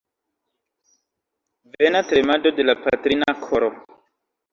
Vana tremado de la patrina koro!